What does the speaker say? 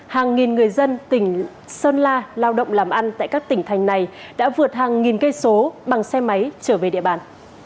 hàng nghìn người dân tỉnh sơn la lao động làm ăn tại các tỉnh thành này đã vượt hàng nghìn cây số bằng xe máy trở về địa bàn